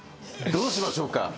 どうしましょうか？